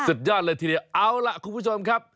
สุดยอดเลยทีเดียวเอาล่ะคุณผู้ชมครับ